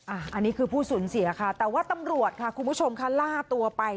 อันนี้คือผู้สูญเสียค่ะแต่ว่าตำรวจค่ะคุณผู้ชมค่ะล่าตัวไป